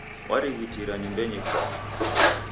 Warighitira nyumbenyi kwape.